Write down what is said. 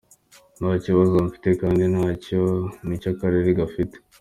“Nta kibazo mfite, kandi nta n’icyo akarere gafite .”